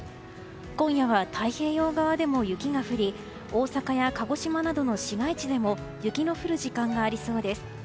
今夜は太平洋側でも雪が降り大阪や鹿児島などの市街地でも雪の降る時間がありそうです。